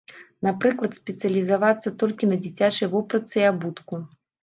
Напрыклад, спецыялізавацца толькі на дзіцячай вопратцы і абутку.